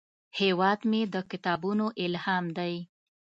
هیواد مې د کتابونو الهام دی